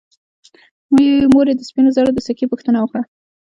مور یې د سپینو زرو د سکې پوښتنه وکړه.